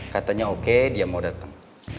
katanya oke dia mau datang